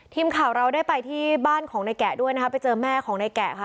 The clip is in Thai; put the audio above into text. ทีมข่าวเราได้ไปที่บ้านของนายแกะด้วยนะคะไปเจอแม่ของนายแกะค่ะ